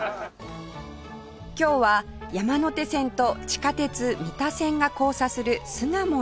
今日は山手線と地下鉄三田線が交差する巣鴨へ